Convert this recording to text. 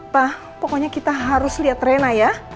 pak pokoknya kita harus lihat rena ya